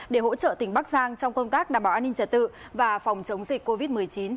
để hỗ trợ tỉnh bắc giang trong công tác đảm bảo an ninh trật tự và phòng chống dịch covid một mươi chín